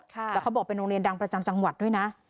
แล้วเขาบอกเป็นโรงเรียนดังประจำจังหวัดด้วยนะ